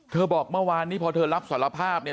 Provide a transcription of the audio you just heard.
บอกเมื่อวานนี้พอเธอรับสารภาพเนี่ย